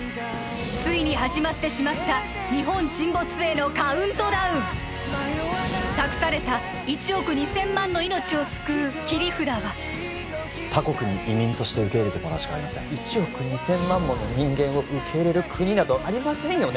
ついに始まってしまった日本沈没へのカウントダウンを救う切り札は他国に移民として受け入れてもらうしかありません１億２０００万もの人間を受け入れる国などありませんよね？